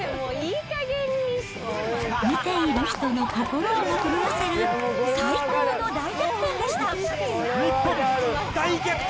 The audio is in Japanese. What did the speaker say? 見ている人の心をも震わせる最高の大逆転でした。